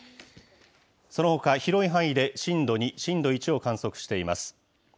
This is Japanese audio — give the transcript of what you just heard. そのほか、広い範囲で震度２、震度１を観測しています。